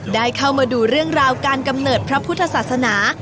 ได้เข้ามาดูเรื่องราวการกำเนิดพระพุทธศาสนา